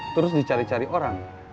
terus dicari cari orang